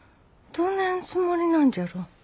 どねんつもりなんじゃろう。